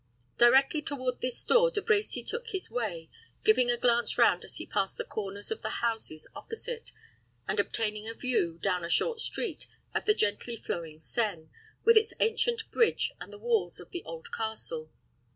Directly toward this door De Brecy took his way, giving a glance round as he passed the corners of the houses opposite, and obtaining a view, down a short street, of the gently flowing Seine, with its ancient bridge and the walls of the old castle.